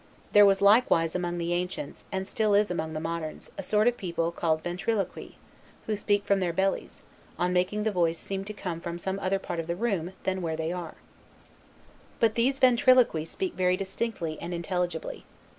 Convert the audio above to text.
There was likewise among the ancients, and is still among the moderns, a sort of people called Ventriloqui, who speak from their bellies, on make the voice seem to come from some other part of the room than that where they are. But these Ventriloqui speak very distinctly and intelligibly.